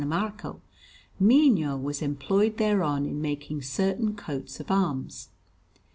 Marco, Mino was employed thereon in making certain coats of arms.